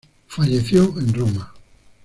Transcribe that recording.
Falleció en Roma.